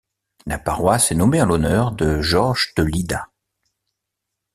La paroisse est nommée en l'honneur de Georges de Lydda.